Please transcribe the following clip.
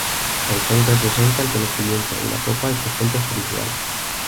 El sol representa el conocimiento y la copa el sustento espiritual.